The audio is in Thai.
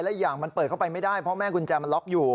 และอีกอย่างมันเปิดเข้าไปไม่ได้เพราะแม่กุญแจมันล็อกอยู่